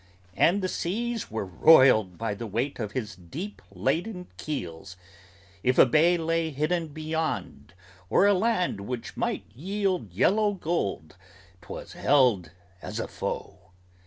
And the seas Were roiled by the weight of his deep laden keels; if a bay Lay hidden beyond, or a land which might yield yellow gold 'Twas held as a foe.